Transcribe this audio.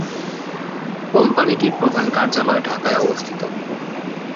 কোম্পানিটির প্রধান কার্যালয় ঢাকায় অবস্থিত।